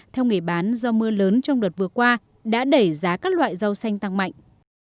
theo nghề bán do mưa lớn trong đợt vừa qua đã đẩy giá các loại rau xanh tăng mạnh